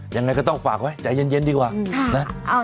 ยังไงก็ต้องฝากไว้ใจเย็นดีกว่านะ